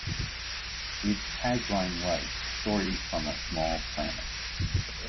Its tagline was: Stories from a small planet.